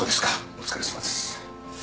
お疲れさまです。